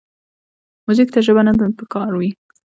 موزیک ته ژبه نه پکار وي.